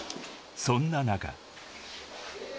［そんな中］